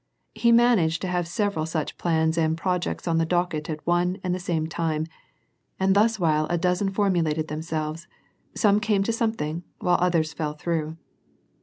He managed to have several such plans and projects on the docket at one and the same time, and thus while a dozen formulated themselves, some came to something, while others fell through.